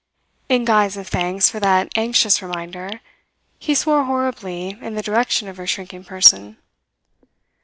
In guise of thanks for that anxious reminder, he swore horribly in the direction of her shrinking person.